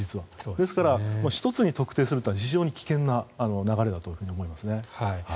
ですから１つに特定するのは非常に危険な流れだと思います。